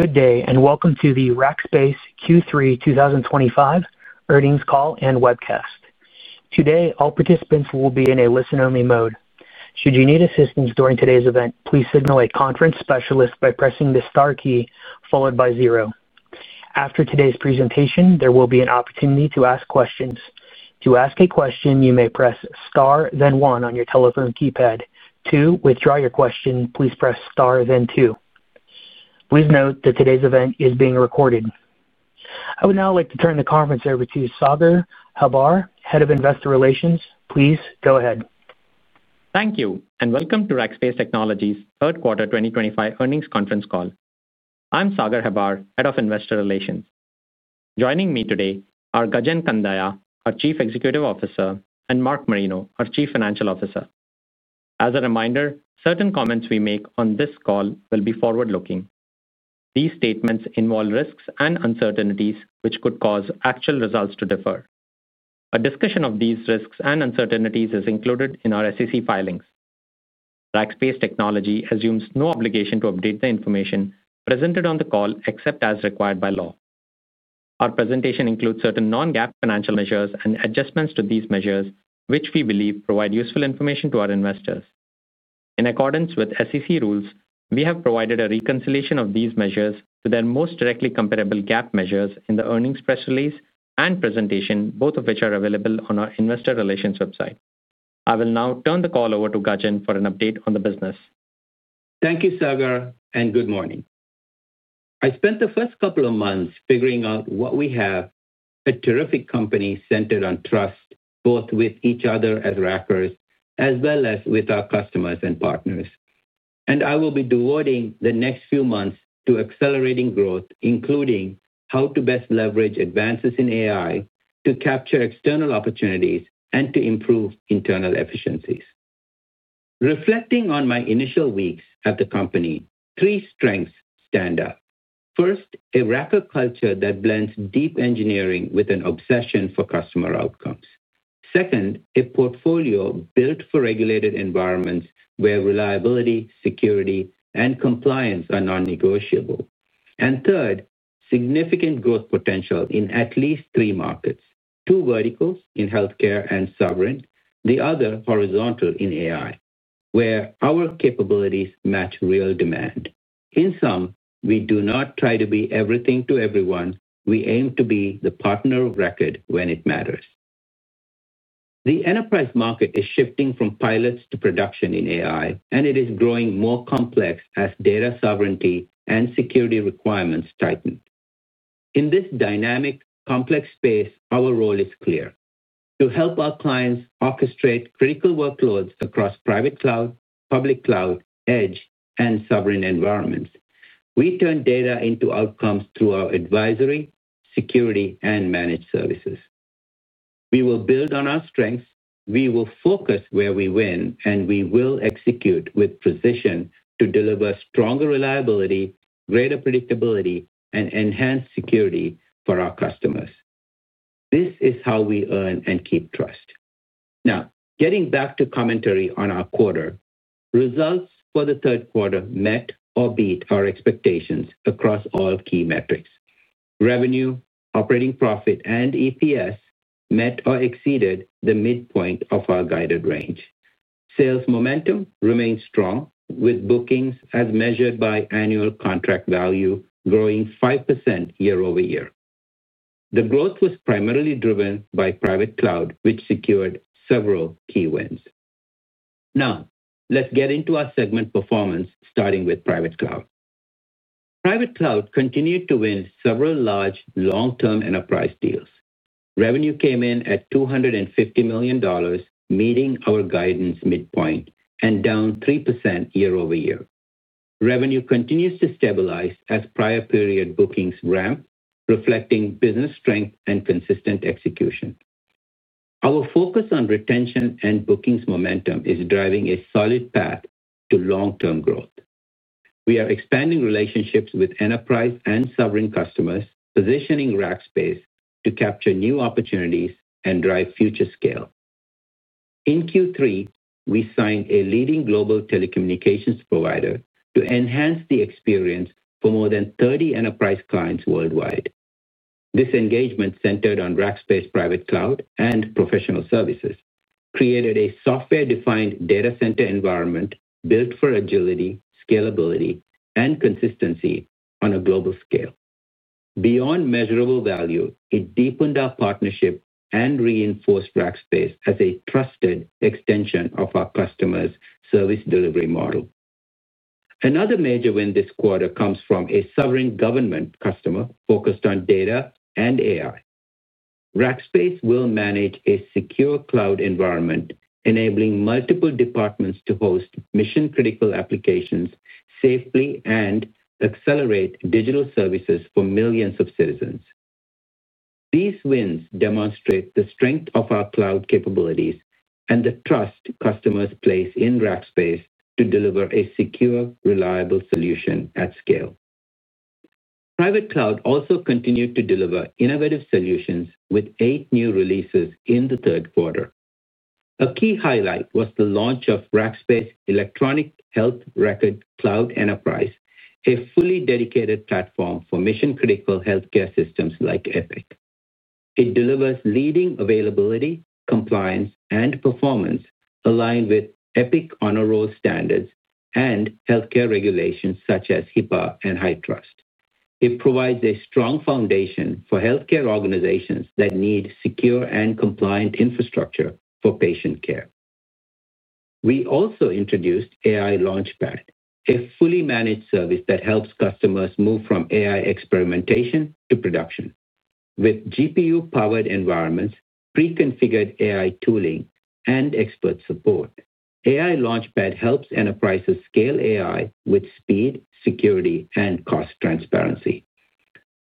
Good day, and welcome to the Rackspace Q3 2025 earnings call and webcast. Today, all participants will be in a listen-only mode. Should you need assistance during today's event, please signal a conference specialist by pressing the star key followed by zero. After today's presentation, there will be an opportunity to ask questions. To ask a question, you may press star, then one on your telephone keypad. To withdraw your question, please press star, then two. Please note that today's event is being recorded. I would now like to turn the conference over to Sagar Hebbar, Head of Investor Relations. Please go ahead. Thank you, and welcome to Rackspace Technology's third quarter 2025 earnings conference call. I'm Sagar Hebbar, Head of Investor Relations. Joining me today are Gajan Kandaya, our Chief Executive Officer, and Mark Marino, our Chief Financial Officer. As a reminder, certain comments we make on this call will be forward-looking. These statements involve risks and uncertainties which could cause actual results to differ. A discussion of these risks and uncertainties is included in our SEC filings. Rackspace Technology assumes no obligation to update the information presented on the call except as required by law. Our presentation includes certain non-GAAP financial measures and adjustments to these measures, which we believe provide useful information to our investors. In accordance with SEC rules, we have provided a reconciliation of these measures to their most directly comparable GAAP measures in the earnings press release and presentation, both of which are available on our Investor Relations website. I will now turn the call over to Gajan for an update on the business. Thank you, Sagar, and good morning. I spent the first couple of months figuring out what we have—a terrific company centered on trust, both with each other as Rackers as well as with our customers and partners. I will be devoting the next few months to accelerating growth, including how to best leverage advances in AI to capture external opportunities and to improve internal efficiencies. Reflecting on my initial weeks at the company, three strengths stand out. First, a Racker culture that blends deep engineering with an obsession for customer outcomes. Second, a portfolio built for regulated environments where reliability, security, and compliance are non-negotiable. Third, significant growth potential in at least three markets: two verticals in healthcare and Sovereign, the other horizontal in AI, where our capabilities match real demand. In sum, we do not try to be everything to everyone. We aim to be the partner of record when it matters. The enterprise market is shifting from pilots to production in AI, and it is growing more complex as data sovereignty and security requirements tighten. In this dynamic, complex space, our role is clear: to help our clients orchestrate critical workloads across private cloud, public cloud, edge, and sovereign environments. We turn data into outcomes through our advisory, security, and managed services. We will build on our strengths. We will focus where we win, and we will execute with precision to deliver stronger reliability, greater predictability, and enhanced security for our customers. This is how we earn and keep trust. Now, getting back to commentary on our quarter, results for the third quarter met or beat our expectations across all key metrics. Revenue, operating profit, and EPS met or exceeded the midpoint of our guided range. Sales momentum remained strong, with bookings as measured by annual contract value growing 5% year-over-year. The growth was primarily driven by private cloud, which secured several key wins. Now, let's get into our segment performance, starting with private cloud. Private cloud continued to win several large long-term enterprise deals. Revenue came in at $250 million, meeting our guidance midpoint, and down 3% year-over-year. Revenue continues to stabilize as prior-period bookings ramp, reflecting business strength and consistent execution. Our focus on retention and bookings momentum is driving a solid path to long-term growth. We are expanding relationships with enterprise and sovereign customers, positioning Rackspace to capture new opportunities and drive future scale. In Q3, we signed a leading global telecommunications provider to enhance the experience for more than 30 enterprise clients worldwide. This engagement, centered on Rackspace Private Cloud and professional services, created a software-defined data center environment built for agility, scalability, and consistency on a global scale. Beyond measurable value, it deepened our partnership and reinforced Rackspace as a trusted extension of our customers' service delivery model. Another major win this quarter comes from a sovereign government customer focused on data and AI. Rackspace will manage a secure cloud environment, enabling multiple departments to host mission-critical applications safely and accelerate digital services for millions of citizens. These wins demonstrate the strength of our cloud capabilities and the trust customers place in Rackspace to deliver a secure, reliable solution at scale. Private Cloud also continued to deliver innovative solutions with eight new releases in the third quarter. A key highlight was the launch of Rackspace Electronic Health Record Cloud Enterprise, a fully dedicated platform for mission-critical healthcare systems like Epic. It delivers leading availability, compliance, and performance aligned with Epic Honor Roll standards and healthcare regulations such as HIPAA and HITRUST. It provides a strong foundation for healthcare organizations that need secure and compliant infrastructure for patient care. We also introduced AI Launchpad, a fully managed service that helps customers move from AI experimentation to production. With GPU-powered environments, pre-configured AI tooling, and expert support, AI Launchpad helps enterprises scale AI with speed, security, and cost transparency.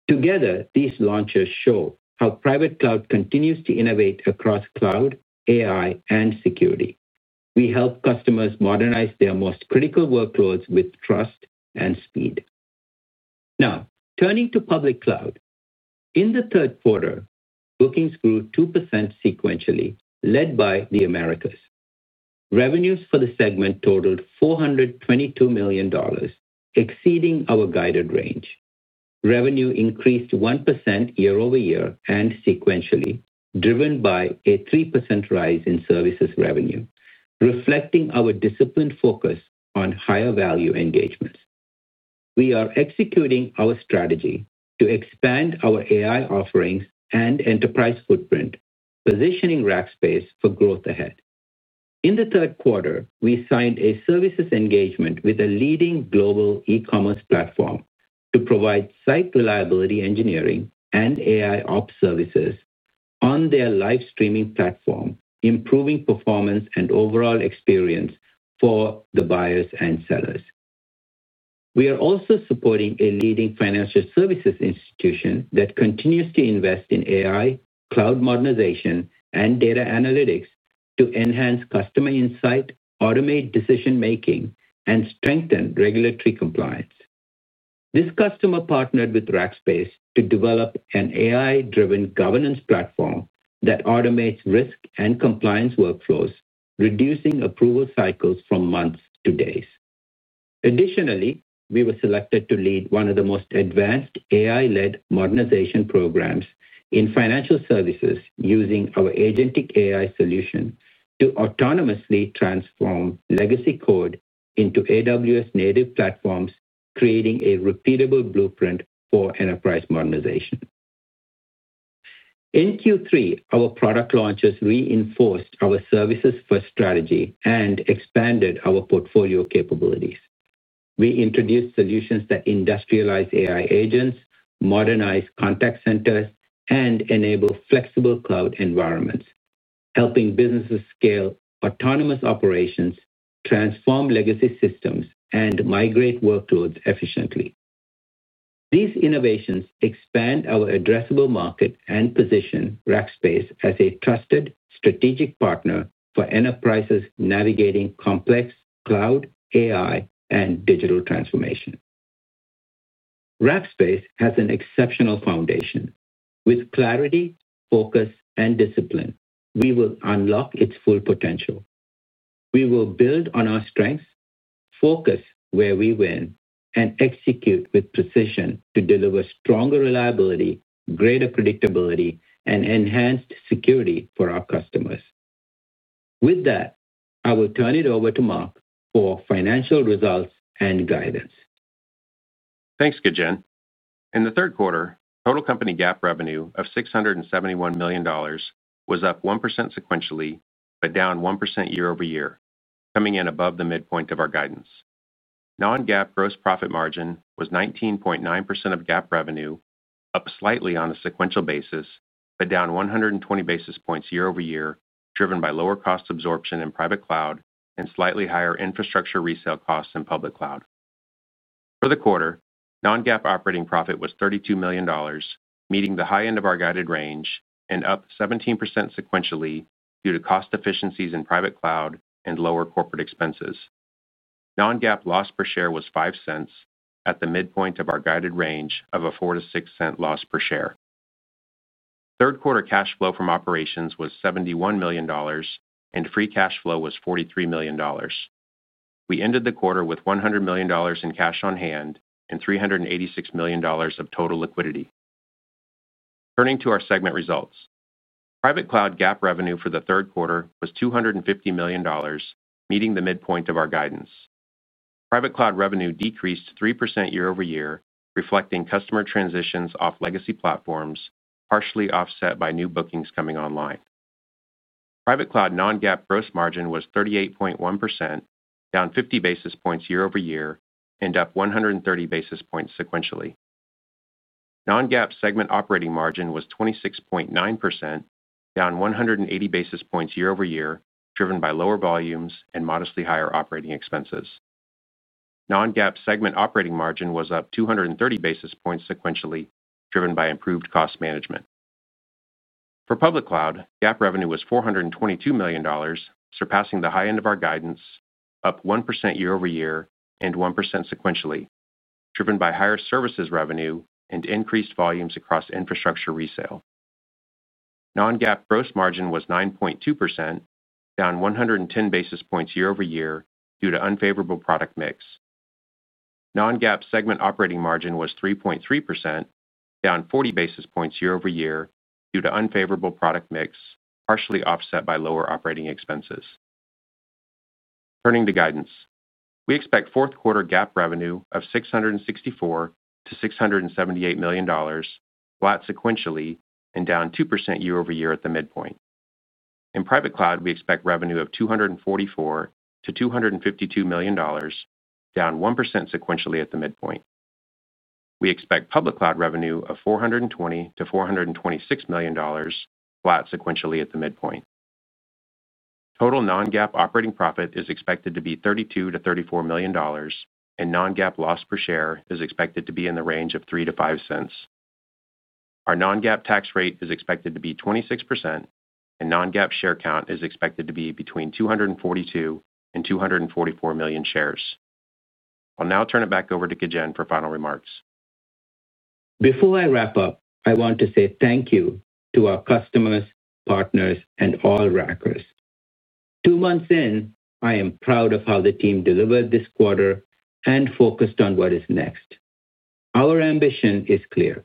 Together, these launches show how Private Cloud continues to innovate across cloud, AI, and security. We help customers modernize their most critical workloads with trust and speed. Now, turning to Public Cloud, in the third quarter, bookings grew 2% sequentially, led by the Americas. Revenues for the segment totaled $422 million, exceeding our guided range. Revenue increased 1% year-over-year and sequentially, driven by a 3% rise in services revenue, reflecting our disciplined focus on higher-value engagements. We are executing our strategy to expand our AI offerings and enterprise footprint, positioning Rackspace for growth ahead. In the third quarter, we signed a services engagement with a leading global e-commerce platform to provide site reliability engineering and AI Ops services on their live streaming platform, improving performance and overall experience for the buyers and sellers. We are also supporting a leading Financial Services Institution that continues to invest in AI, cloud modernization, and data analytics to enhance customer insight, automate decision-making, and strengthen regulatory compliance. This customer partnered with Rackspace to develop an AI-driven governance platform that automates risk and compliance workflows, reducing approval cycles from months to days. Additionally, we were selected to lead one of the most advanced AI-led modernization programs in financial services using our agentic AI solution to autonomously transform legacy code into AWS-native platforms, creating a repeatable blueprint for enterprise modernization. In Q3, our product launches reinforced our services-first strategy and expanded our portfolio capabilities. We introduced solutions that industrialize AI agents, modernize contact centers, and enable flexible cloud environments, helping businesses scale autonomous operations, transform legacy systems, and migrate workloads efficiently. These innovations expand our addressable market and position Rackspace as a trusted, strategic partner for enterprises navigating complex cloud, AI, and digital transformation. Rackspace has an exceptional foundation. With clarity, focus, and discipline, we will unlock its full potential. We will build on our strengths, focus where we win, and execute with precision to deliver stronger reliability, greater predictability, and enhanced security for our customers. With that, I will turn it over to Mark for financial results and guidance. Thanks, Gajan. In the third quarter, total company GAAP revenue of $671 million was up 1% sequentially, but down 1% year-over-year, coming in above the midpoint of our guidance. Non-GAAP gross profit margin was 19.9% of GAAP revenue, up slightly on a sequential basis, but down 120 basis points year-over-year, driven by lower cost absorption in Private Cloud and slightly higher infrastructure resale costs in Public Cloud. For the quarter, non-GAAP operating profit was $32 million, meeting the high end of our guided range and up 17% sequentially due to cost efficiencies in Private Cloud and lower corporate expenses. Non-GAAP loss per share was $0.05 at the midpoint of our guided range of a $0.04-$0.06 loss per share. Third quarter cash flow from operations was $71 million, and free cash flow was $43 million. We ended the quarter with $100 million in cash on hand and $386 million of total liquidity. Turning to our segment results, Private Cloud GAAP revenue for the third quarter was $250 million, meeting the midpoint of our guidance. Private Cloud revenue decreased 3% year-over-year, reflecting customer transitions off legacy platforms, partially offset by new bookings coming online. Private Cloud non-GAAP gross margin was 38.1%, down 50 basis points year-over-year, and up 130 basis points sequentially. Non-GAAP segment operating margin was 26.9%, down 180 basis points year-over-year, driven by lower volumes and modestly higher operating expenses. Non-GAAP segment operating margin was up 230 basis points sequentially, driven by improved cost management. For Public Cloud, GAAP revenue was $422 million, surpassing the high end of our guidance, up 1% year-over-year and 1% sequentially, driven by higher services revenue and increased volumes across infrastructure resale. Non-GAAP gross margin was 9.2%, down 110 basis points year-over-year due to unfavorable product mix. Non-GAAP segment operating margin was 3.3%, down 40 basis points year-over-year due to unfavorable product mix, partially offset by lower operating expenses. Turning to guidance, we expect fourth quarter GAAP revenue of $664-$678 million, flat sequentially and down 2% year-over-year at the midpoint. In Private Cloud, we expect revenue of $244-$252 million, down 1% sequentially at the midpoint. We expect Public Cloud revenue of $420-$426 million, flat sequentially at the midpoint. Total non-GAAP operating profit is expected to be $32-$34 million, and non-GAAP loss per share is expected to be in the range of $0.03-$0.05. Our non-GAAP tax rate is expected to be 26%, and non-GAAP share count is expected to be between 242 and 244 million shares. I'll now turn it back over to Gajan for final remarks. Before I wrap up, I want to say thank you to our customers, partners, and all Rackers. Two months in, I am proud of how the team delivered this quarter and focused on what is next. Our ambition is clear.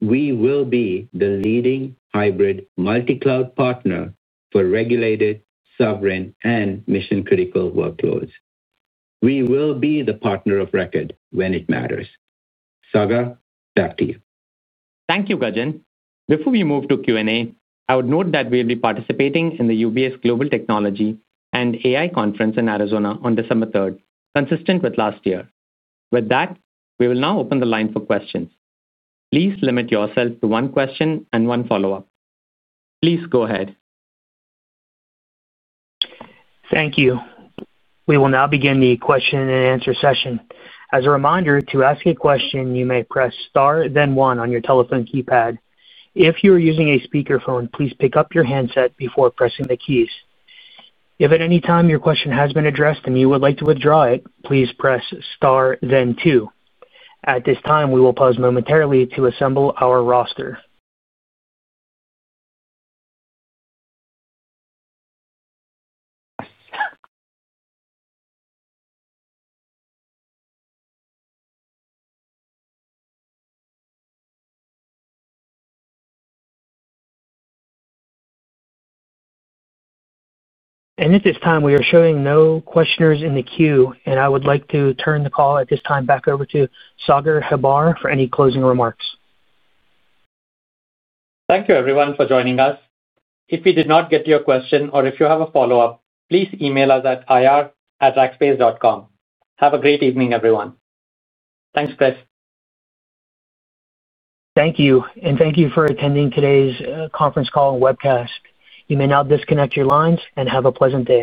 We will be the leading hybrid multi-cloud partner for regulated, sovereign, and mission-critical workloads. We will be the partner of record when it matters. Sagar, back to you. Thank you, Gajan. Before we move to Q&A, I would note that we will be participating in the UBS Global Technology and AI Conference in Arizona on December 3, consistent with last year. With that, we will now open the line for questions. Please limit yourself to one question and one follow-up. Please go ahead. Thank you. We will now begin the question and answer session. As a reminder, to ask a question, you may press Star, then 1 on your telephone keypad. If you are using a speakerphone, please pick up your handset before pressing the keys. If at any time your question has been addressed and you would like to withdraw it, please press Star, then 2. At this time, we will pause momentarily to assemble our roster. At this time, we are showing no questioners in the queue, and I would like to turn the call at this time back over to Sagar Hebbar for any closing remarks. Thank you, everyone, for joining us. If we did not get to your question or if you have a follow-up, please email us at ir@rackspace.com. Have a great evening, everyone. Thanks, Chris. Thank you, and thank you for attending today's conference call and webcast. You may now disconnect your lines and have a pleasant day.